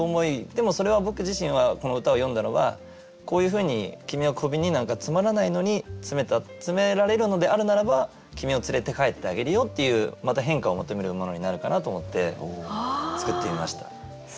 でもそれは僕自身はこの歌を詠んだのはこういうふうに君は小瓶になんか詰まらないのに詰められるのであるならば君を連れて帰ってあげるよっていうまた返歌を求めるものになるかなと思って作ってみました。